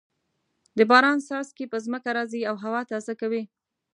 د باران څاڅکي په ځمکه راځې او هوا تازه کوي.